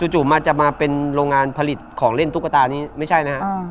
จู่มาจะมาเป็นโรงงานผลิตของเล่นตุ๊กตานี้ไม่ใช่นะฮะ